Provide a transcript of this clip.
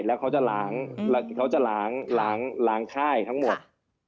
แล้วเขาจะล้างค่ายทั้งหมด